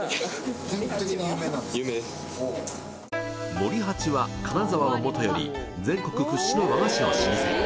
森八は金沢はもとより全国屈指の和菓子の老舗。